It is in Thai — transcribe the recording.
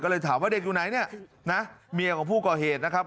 ก็เลยถามว่าเด็กอยู่ไหนเนี่ยนะเมียของผู้ก่อเหตุนะครับ